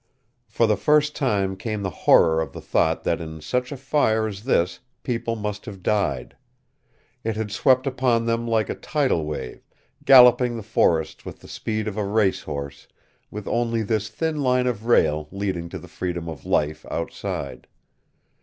For the first time came the horror of the thought that in such a fire as this people must have died. It had swept upon them like a tidal wave, galloping the forests with the speed of a race horse, with only this thin line of rail leading to the freedom of life outside.